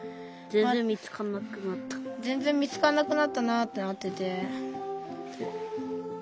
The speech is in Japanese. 全然見つかんなくなったなってなってて。